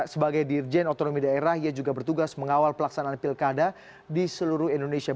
sebagai dirjen otonomi daerah ia juga bertugas mengawal pelaksanaan pilkada di seluruh indonesia